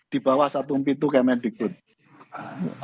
di bawah satu pintu kementerian pertanian pertanian